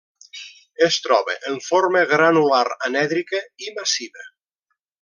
Es troba en forma granular anèdrica i massiva.